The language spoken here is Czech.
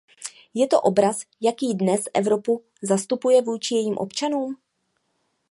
Je to obraz, jaký dnes Evropu zastupuje vůči jejím občanům?